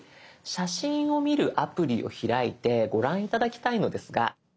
写真を見るアプリを開いてご覧頂きたいのですが。